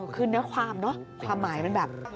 คือเนื้อความเนอะความหมายมันแบบ